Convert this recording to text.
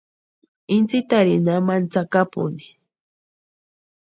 Intsïtarini amani tsakapuni.